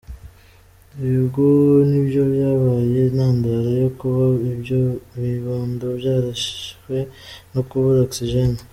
Ibi ngo nibyo byabaye intandaro yo kuba ibyo bibondo byarishwwe no kubura oxygene.